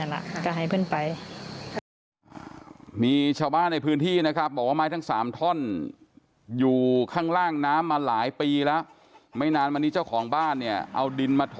มันไปดันหรือทับท่อนไม้ตะเคียน